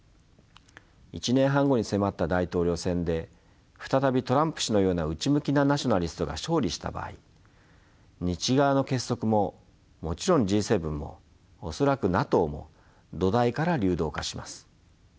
１年半後に迫った大統領選で再びトランプ氏のような内向きなナショナリストが勝利した場合西側の結束ももちろんＧ７も恐らくＮＡＴＯも土台から流動化します。